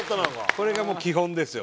これがもう基本ですよ。